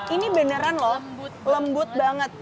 ini beneran loh lembut banget